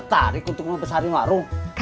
dari seluruh verdana teraz